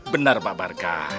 benar pak barka